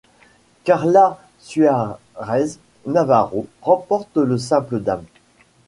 Carla Suárez Navarro remporte le simple dames.